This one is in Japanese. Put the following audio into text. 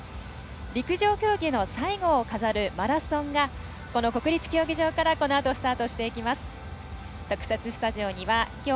陸上競技の最後を飾るマラソンがこの国立競技場からこのあとスタートしていきます。